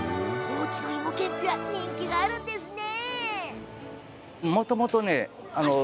高知のいもけんぴは人気があるんですね。